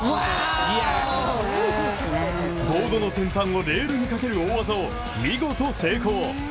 ボードの先端をレールにかける大技を見事成功。